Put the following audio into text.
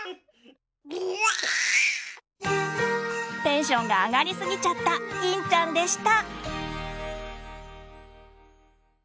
テンションが上がりすぎちゃったぎんちゃんでした。